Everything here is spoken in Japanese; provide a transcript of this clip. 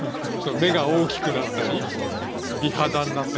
目が大きくなったり美肌になったり。